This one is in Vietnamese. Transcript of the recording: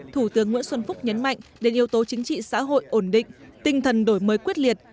thủ tướng nguyễn xuân phúc nhấn mạnh đến yếu tố chính trị xã hội ổn định tinh thần đổi mới quyết liệt